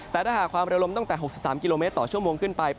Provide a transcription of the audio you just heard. แต่ถ้าหากความเร็วลมตั้งแต่๖๓กิโลเมตรต่อชั่วโมงขึ้นไป